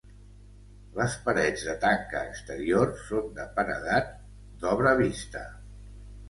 Les parets de tanca exterior són de paredat d'obra vista.